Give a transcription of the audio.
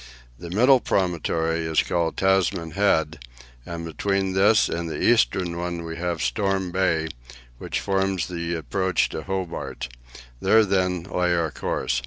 The middle promontory is called Tasman Head, and between this and the eastern one we have Storm Bay, which forms the approach to Hobart; there, then, lay our course.